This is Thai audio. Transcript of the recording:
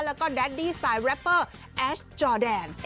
แล้วก็แดดดี้สายแรปเปอร์แอชจอแดน